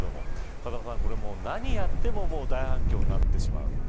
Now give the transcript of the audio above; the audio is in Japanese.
風間さん、何やっても大反響になってしまう。